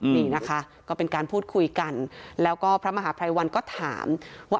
นี่นะคะก็เป็นการพูดคุยกันแล้วก็พระมหาภัยวันก็ถามว่า